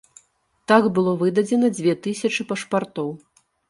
Так было выдадзена дзве тысячы пашпартоў.